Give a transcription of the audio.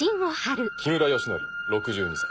木村良徳６２歳。